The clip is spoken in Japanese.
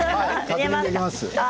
確認できました。